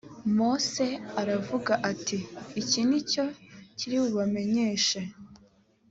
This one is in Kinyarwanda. mose aravuga ati iki ni cyo kiri bubamenyeshe